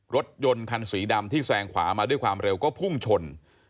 รถยนต์คันสีดำที่แซงขวามาด้วยความเร็วก็พุ่งชน